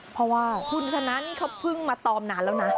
เพราะว่าเค้าเพิลวะตอมนานแล้วนะ